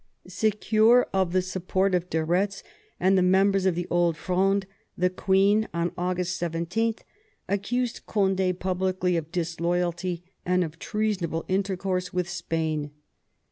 Secure of the support of de Eetz and the members of the Old Fronde, the queen, on August 17, accused Conde publicly of dis loyalty and of treasonable intercourse with Spain.